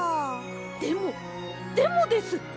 でもでもです！